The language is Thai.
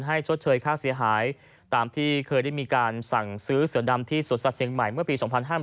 ชดเชยค่าเสียหายตามที่เคยได้มีการสั่งซื้อเสือดำที่สวนสัตว์เชียงใหม่เมื่อปี๒๕๕๘